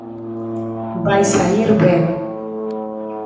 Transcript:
Vai saír ben.